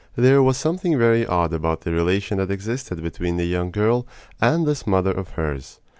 There was something very odd about the relation that existed between the young girl and this mother of hers.